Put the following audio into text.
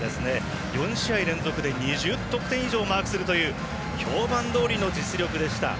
４試合連続で２０得点以上をマークするという評判どおりの実力でした。